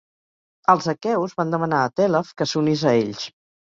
Els aqueus van demanar a Tèlef que s'unís a ells.